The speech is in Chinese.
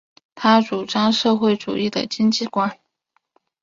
他主张社会主义的经济观。